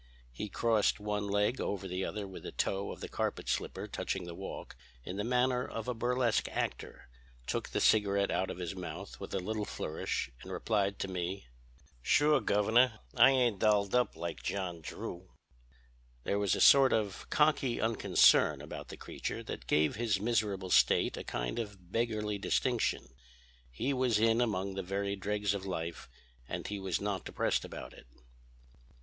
"He crossed one leg over the other with the toe of the carpet slipper touching the walk, in the manner of a burlesque actor, took the cigarette out of his mouth with a little flourish, and replied to me: "'Sure, Governor, I ain't dolled up like John Drew.' "There was a sort of cocky unconcern about the creature that gave his miserable state a kind of beggarly distinction. He was in among the very dregs of life, and he was not depressed about it.